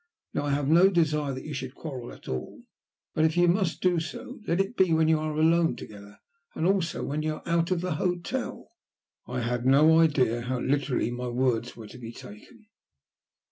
Now I have no desire that you should quarrel at all, but if you must do so, let it be when you are alone together, and also when you are out of the hotel." I had no idea how literally my words were to be taken.